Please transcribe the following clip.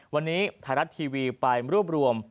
วันนี้ไทยรัฐทีวีไปรวบรวม